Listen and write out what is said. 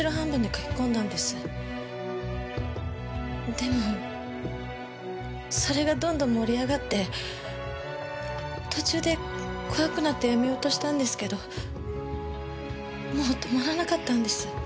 でもそれがどんどん盛り上がって途中で怖くなってやめようとしたんですけどもう止まらなかったんです。